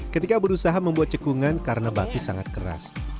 ketika berusaha membuat cekungan karena batu sangat keras